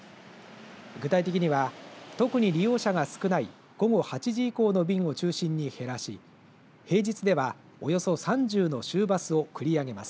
具体的には、特に利用者が少ない午後８時以降の便を中心に減らし平日では、およそ３０の終バスを繰り上げます。